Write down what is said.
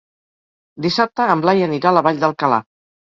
Dissabte en Blai anirà a la Vall d'Alcalà.